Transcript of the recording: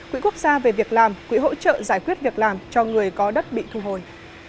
quỹ quốc gia về việc làm quỹ hỗ trợ giải quyết việc làm cho người có đất bị thu hồi